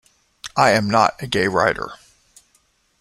I am not a gay writer.